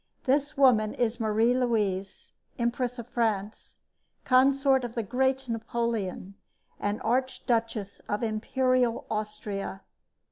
This woman is Marie Louise, Empress of France, consort of the great Napoleon, and archduchess of imperial Austria.